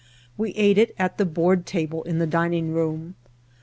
We ate it at the board table in the dining room.